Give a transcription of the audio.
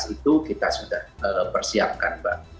dua belas itu kita sudah persiapkan